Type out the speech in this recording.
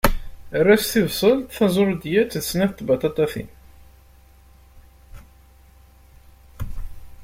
Err-as tibṣelt, tazṛudiyat d snat tbaṭaṭayin.